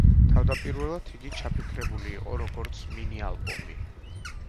თავდაპირველად იგი ჩაფიქრებული იყო, როგორც მინი ალბომი.